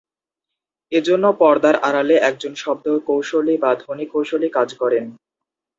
এজন্য পর্দার আড়ালে একজন শব্দ কৌশলী বা ধ্বনি কৌশলী কাজ করেন।